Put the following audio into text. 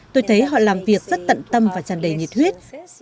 tôi thấy họ làm việc rất tận tâm và chẳng đầy nhiệt huyết